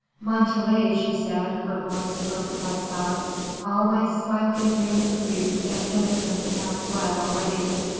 "Montalais," she said, her voice broken by sobs, "all my smiling dreams of youth and innocence have fled already.